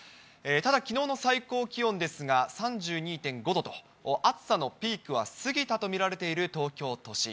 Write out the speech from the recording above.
ただ、きのうの最高気温ですが、３２．５度と、暑さのピークは過ぎたと見られている東京都心。